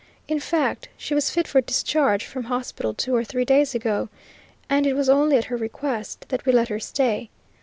"In fact, she was fit for discharge from hospital two or three days ago, and it was only at her request that we let her stay.